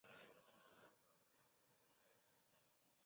Además, se convierte en miembro de la Academia Alemana de Ciencias.